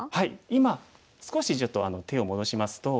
今少しちょっと手を戻しますと。